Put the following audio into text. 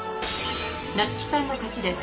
ナツキさんの勝ちです